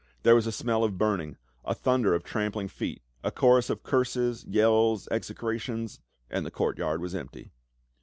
There was a smell of burning, a thunder of trampling feet, a chorus of curses, yells, execrations, and the courtyard was empty.